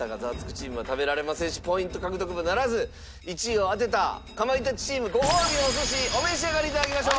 チームは食べられませんしポイント獲得もならず１位を当てたかまいたちチームごほうびのお寿司お召し上がりいただきましょう！